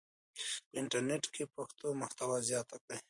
په انټرنیټ کې پښتو محتوا زیاته کړئ.